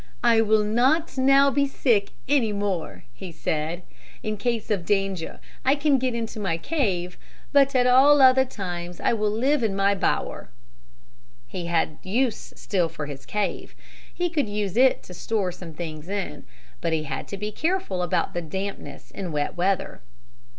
"I will not now be sick any more," he said. "In case of danger I can get into my cave. But at all other times I will live in my bower." He had use still for his cave. He could use it to store some things in. But he had to be careful about the dampness in wet weather.